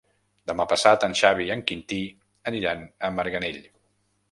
Demà passat en Xavi i en Quintí aniran a Marganell.